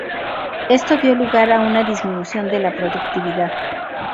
Esto dio lugar a una disminución de la productividad.